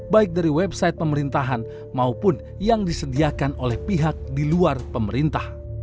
baik dari website pemerintahan maupun yang disediakan oleh pihak di luar pemerintah